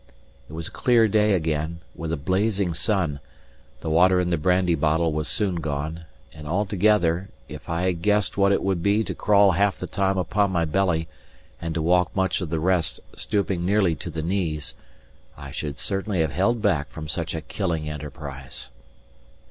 It was a clear day again, with a blazing sun; the water in the brandy bottle was soon gone; and altogether, if I had guessed what it would be to crawl half the time upon my belly and to walk much of the rest stooping nearly to the knees, I should certainly have held back from such a killing enterprise.